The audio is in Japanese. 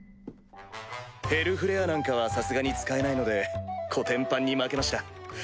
ヘルフレアなんかはさすがに使えないのでコテンパンに負けました。